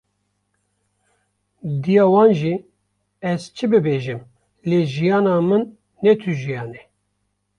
Diya wan jî: Ez çi bibêjim, lê jiyana min, ne tu jiyan e.”